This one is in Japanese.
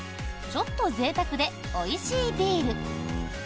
ちょっとぜいたくでおいしいビール。